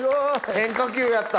変化球やった。